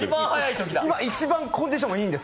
今、一番コンディションもいいんです。